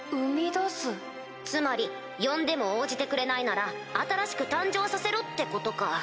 つまり呼んでも応じてくれないなら新しく誕生させろってことか。